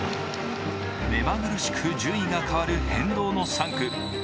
めまぐるしく順位が変わる変動の３区。